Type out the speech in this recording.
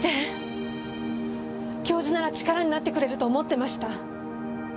教授なら力になってくれると思ってました。